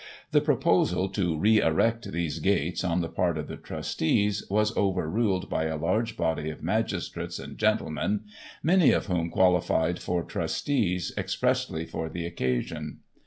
The proposal to re erect these gates, on the part of the trustees, was overruled by a large body of magistrates and gentlemen, many of whom qualified for trustees expressly for the occasion.